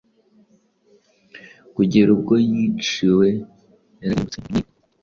Kugeza ubwo yiciwe yararimbutse Intumwa yihuta